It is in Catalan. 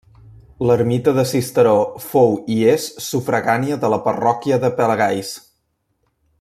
L'ermita de Sisteró fou i és sufragània de la parròquia de Pelagalls.